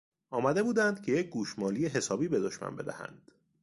آماده بودند که یک گوشمالی حسابی به دشمن بدهند.